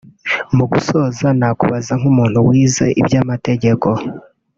Mu gusoza nakubaza nk’umuntu wize iby’amategeko